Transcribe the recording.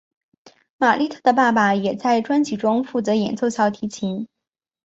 玛莉特的爸爸也在专辑中负责演奏小提琴。